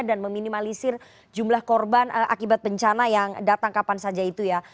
dan meminimalisir jumlah korban akibat bencana yang datang kapan saja itu ya